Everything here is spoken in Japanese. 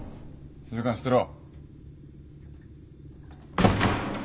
静かにしてろ。